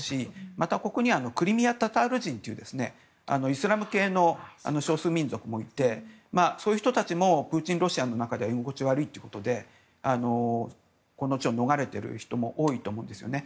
また、ここにはクリミアタタール人というイスラム系の少数民族もいてそういう人たちもプーチンロシアの中では居心地が悪いということでこの地を逃れている人も多いと思うんです。